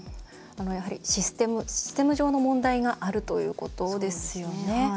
やはりシステム上の問題があるということですよね。